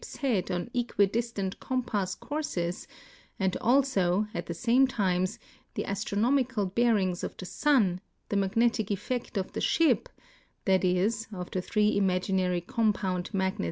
s head on equidistant compass courses, and also, at tlie same times, the astronomical bearings of the sun, the magnetic etl'ect of the ship — that is, of the three imaginary compound magnet.